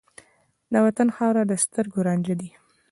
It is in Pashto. د وطن خاوره د سترګو رانجه ده.